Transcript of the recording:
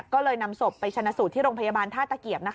ก็เลยนำศพไปชนะสูตรที่โรงพยาบาลท่าตะเกียบ